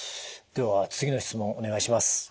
では次の質問お願いします。